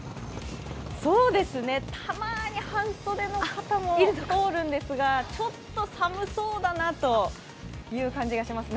そうですね、たまに半袖の方も通るんですが、ちょっと寒そうだなという感じがします。